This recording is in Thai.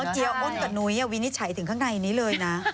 เจี๊ยอ้นกับนุ้ยวินิจฉัยถึงข้างในนี้เลยนะ